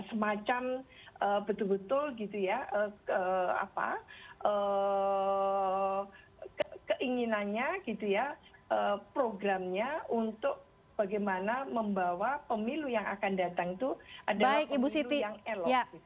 semacam betul betul keinginannya programnya untuk bagaimana membawa pemilu yang akan datang itu adalah pemilu yang elo